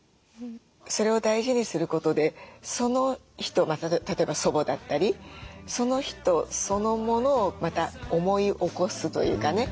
それを大事にすることでその人例えば祖母だったりその人そのものをまた思い起こすというかね。